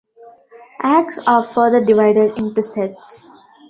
Acts are further divided into sets.